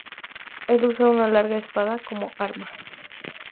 Él usa una larga espada como arma.